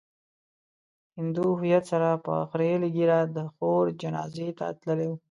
هندو هويت سره په خريلې ږيره د خور جنازې ته تللی و.